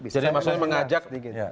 jadi maksudnya mengajak